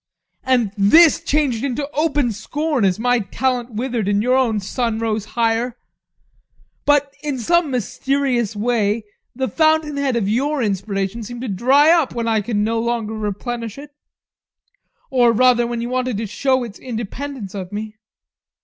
And this changed into open scorn as my talent withered and your own sun rose higher. But in some mysterious way the fountainhead of your inspiration seemed to dry up when I could no longer replenish it or rather when you wanted to show its independence of me.